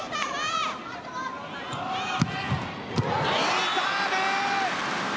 いいサーブ！